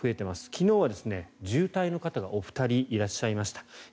昨日は重体の方がお二人いらっしゃいました。